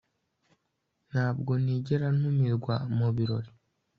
Ntabwo nigera ntumirwa mubirori